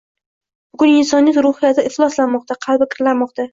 Bugun inson ruhiyati ifloslanmoqda, qalbi kirlanmoqda.